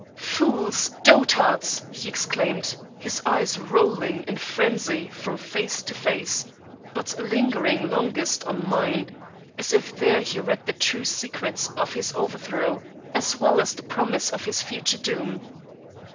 "Fools! dotards!" he exclaimed, his eyes rolling in frenzy from face to face, but lingering longest on mine, as if there he read the true secret of his overthrow, as well as the promise of his future doom.